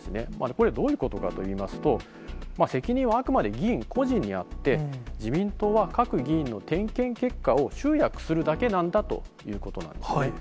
これ、どういうことかといいますと、責任はあくまで議員個人にあって、自民党は各議員の点検結果を集約するだけなんだということなんですよね。